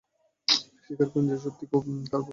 স্বীকার করেন যে সত্যি খুব খারাপ একটি প্রশ্ন ছিল।